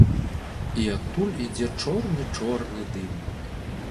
І адтуль ідзе чорны-чорны дым.